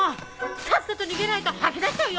さっさと逃げないと掃き出しちゃうよ！